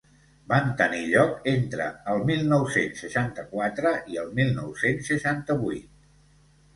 Van tenir lloc entre el mil nou-cents seixanta-quatre i el mil nou-cents seixanta-vuit.